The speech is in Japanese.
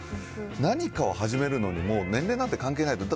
何かを始めるのに、もう年齢なんて関係ないんです。